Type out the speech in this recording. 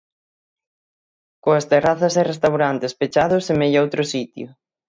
Coas terrazas e restaurantes pechados semella outro sitio.